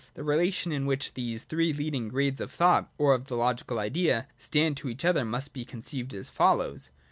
The relation in which these three leading grades of thought, or of the logical Idea, stand to each other must be conceived as follows.